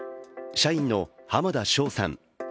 社員の濱田翔さん。